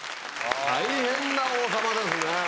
大変な王様ですね！